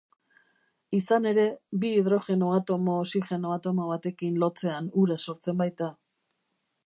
Izan ere, bi Hidrogeno atomo Oxigeno atomo batekin lotzean ura sortzen baita.